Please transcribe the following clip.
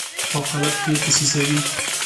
په قالب کې یې تاسیسوي.